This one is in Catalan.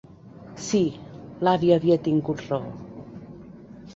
Sí, l'avi havia tingut raó!